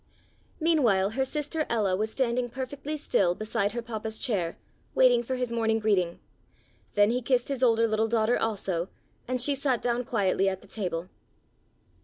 Meanwhile, her sister Ella was standing perfectly still beside her Papa's chair, waiting for his morning greeting. Then he kissed his older little daughter also, and she sat down quietly at the table.